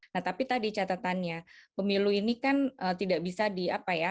nah tapi tadi catatannya pemilu ini kan tidak bisa di apa ya